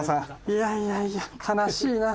いやいやいや悲しいな。